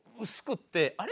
あれ？